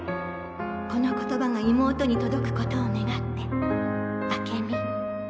この言葉が妹に届く事を願って明美」。